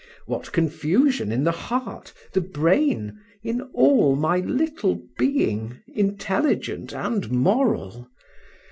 What confusion in the heart, the brain, in all my little being, intelligent and moral!